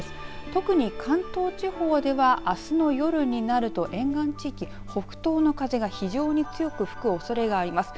特に関東地方ではあすの夜になると沿岸地域、北東の風が非常に強く吹くおそれがあります。